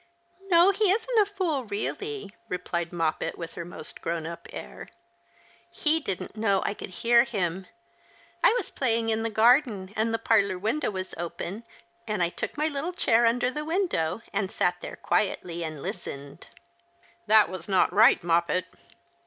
" No, he isn't a fool really," replied 3Ioppet, with her most grown up air. '• He didn't know I could hear him. I was playing in the garden, and the parlour window Mas open, and I took my little chair under the window and sat there quietly and listened." " That was not right. Moppet."